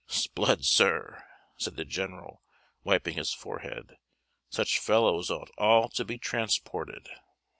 "S'blood, sir!" said the general, wiping his forehead, "such fellows ought all to be transported!"